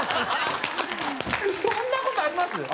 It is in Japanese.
そんな事あります？